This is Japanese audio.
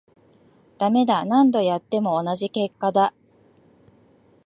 ダメだ、何度やっても同じ結果だ